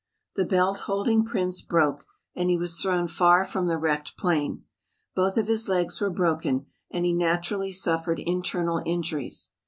The belt holding Prince broke and he was thrown far from the wrecked plane. Both of his legs were broken and he naturally suffered internal injuries.